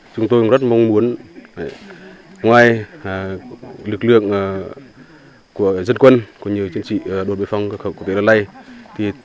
chúng tôi rất mong muốn ngoài lực lượng của dân quân của nhiều chính trị đốn biên phòng cửa khẩu quốc tế la lai